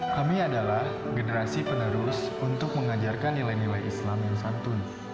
kami adalah generasi penerus untuk mengajarkan nilai nilai islam yang santun